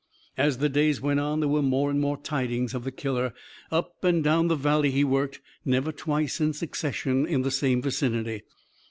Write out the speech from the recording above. As the days went on, there were more and more tidings of the killer. Up and down the Valley he worked; never twice in succession in the same vicinity.